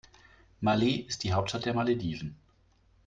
Malé ist die Hauptstadt der Malediven.